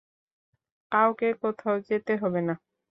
কাউকে কোথাও যেতে হবে না।